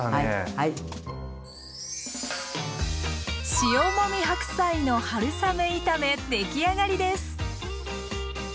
塩もみ白菜の春雨炒めできあがりです！